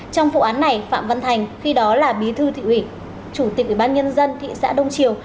trong vụ án này phạm văn thành khi đó là bí thư thị ủy chủ tịch ủy ban nhân dân thị xã đông triều